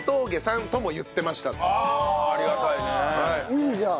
いいじゃん！